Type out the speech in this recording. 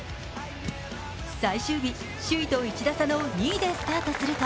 最終日、首位と１打差の２位でスタートすると